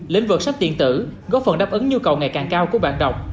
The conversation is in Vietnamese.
lĩnh vực sách tiện tử góp phần đáp ứng nhu cầu ngày càng cao của bản đọc